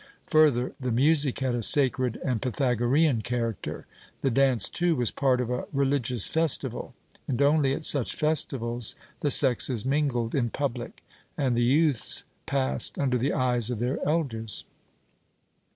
Further, the music had a sacred and Pythagorean character; the dance too was part of a religious festival. And only at such festivals the sexes mingled in public, and the youths passed under the eyes of their elders.